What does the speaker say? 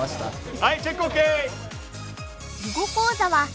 はいチェックＯＫ！